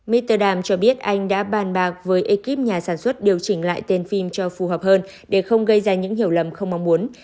mitterdam cho biết anh đã bàn bạc với ekip nhà sản xuất điều chỉnh lại tên phim cho phù hợp hơn để không gây ra những hiểu lầm không mong muốn